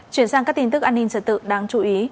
chuyển sang các tin tức an ninh trật tự đáng chú ý